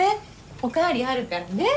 お代わりあるからね。